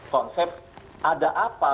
konsep ada apa